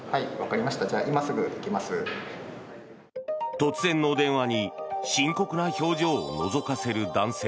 突然の電話に深刻な表情をのぞかせる男性。